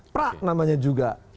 prak namanya juga